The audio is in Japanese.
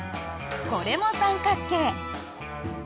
これも三角形。